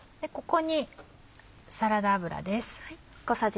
ここにサラダ油です。